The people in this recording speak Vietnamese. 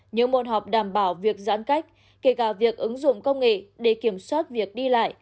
những môn học đảm bảo việc giãn cách kể cả việc ứng dụng công nghệ để kiểm soát việc đi lại